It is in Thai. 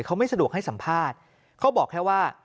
เขาไม่สะดวกให้สัมภาษณ์เขาบอกแค่ว่า